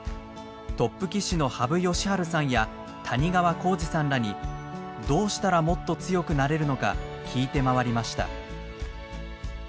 トップ棋士の羽生善治さんや谷川浩司さんらにどうしたらもっと強くなれるのか聞いて回りました。